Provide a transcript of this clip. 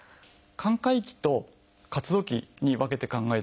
寛解期と活動期に分けて考えてみます。